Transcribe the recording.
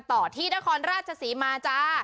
ตามประมาณที่แนะคอนราชสิมาจ้า